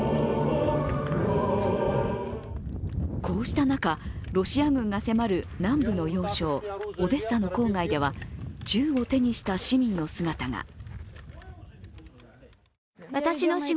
こうした中、ロシア軍が迫る南部の要衝、オデッサの郊外では銃を手にした市民の姿が。